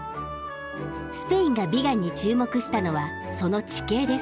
スペインがビガンに注目したのはその地形です。